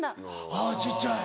あぁ小っちゃい。